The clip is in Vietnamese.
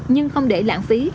nhưng không để lãng phí